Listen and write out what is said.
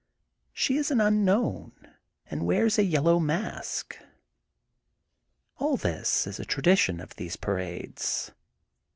She is an unknown and wears a yellow mask. All this is a tradition of these parades.